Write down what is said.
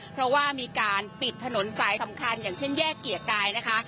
เพราะว่ามีการปิดถนนสายสำคัญอย่างเช่นแยกเกียรติกายนะคะ